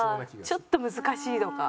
ちょっと難しいのか。